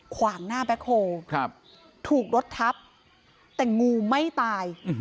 ขวางหน้าแบ็คโฮถูกรถทับแต่งูไม่ตาย